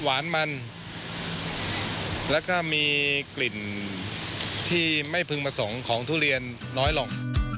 หวานมันแล้วก็มีกลิ่นที่ไม่พึงประสงค์ของทุเรียนน้อยลง